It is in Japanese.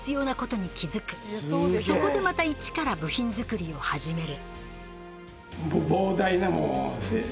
そこでまた一から部品作りを始める。